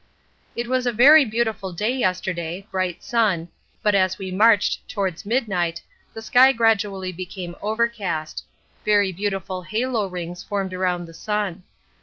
It was a very beautiful day yesterday, bright sun, but as we marched, towards midnight, the sky gradually became overcast; very beautiful halo rings formed around the sun.